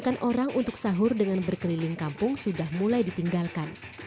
makan orang untuk sahur dengan berkeliling kampung sudah mulai ditinggalkan